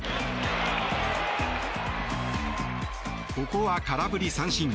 ここは空振り三振。